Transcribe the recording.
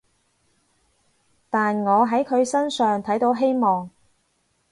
但我喺佢身上睇到希望